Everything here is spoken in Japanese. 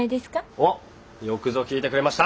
おっよくぞ聞いてくれました！